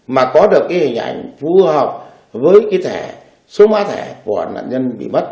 mà có được cái hình ảnh phù hợp với cái thẻ số mã thẻ của nạn nhân